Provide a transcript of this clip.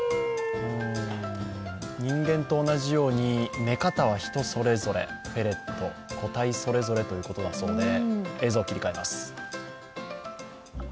人間と同じように、寝方は人それぞれ、フェレット個体それぞれということで、映像切り替えます。